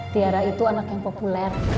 tiara itu anak yang populer